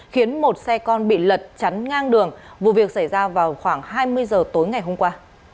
khiến một xe con bị lật chắn ngang đường vụ việc xảy ra vào khoảng hai mươi giờ tối ngày hôm qua